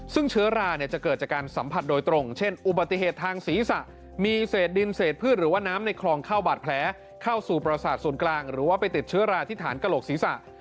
ซึ่งเชื้อราเนี่ยจะเกิดจากการสัมผัสโดยตรงเช่นอุบัติเหตุทางศีรษะมีเศษดินเศษพืชหรือว่าน้ำในคลองเข้าบาดแผลเข้าสู่ประสาทศูนย์กลางหรือว่าไปติดเชื้อราที่ฐานกระโหลกศีรษะ